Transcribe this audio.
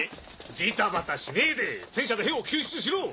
ジタバタしねえで戦車で兵を救出しろ！